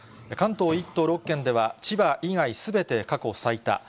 関東１都６県では、千葉以外すべて過去最多。